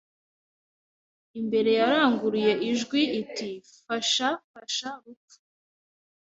Imbere yaranguruye ijwi iti Fasha fasha rupfu